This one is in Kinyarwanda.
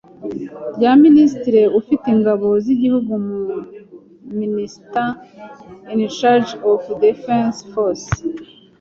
rya Minisitiri ufite ingabo z Igihugu mu Minister in charge of defence forces